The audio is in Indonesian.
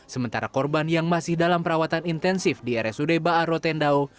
sementara korban yang masih dalam perawatan intensif di rsud ⁇ baa rotendao